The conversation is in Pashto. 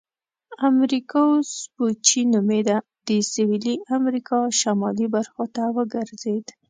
امریکا وسپوچې نومیده د سویلي امریکا شمالي برخو ته وګرځېد.